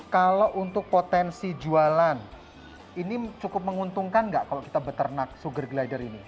kalau untuk potensi jualan ini cukup menguntungkan nggak kalau kita beternak sugar glider ini